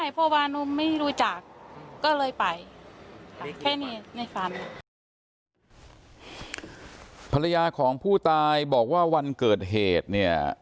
ภรรยาของผู้ตายบอกว่าวันเกิดเหตุเนี่ย